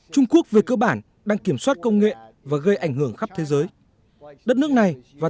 trung quốc về cơ bản đang kiểm soát công nghệ và gây ảnh hưởng khắp thế giới đất nước này và